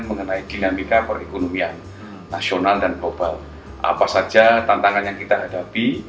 mengenai dinamika perekonomian nasional dan global apa saja tantangan yang kita hadapi